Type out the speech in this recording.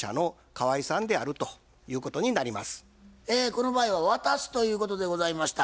この場合は渡すということでございました。